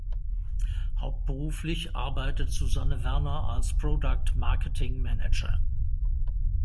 Hauptberuflich arbeitet Susanne Werner als Product Marketing Manager.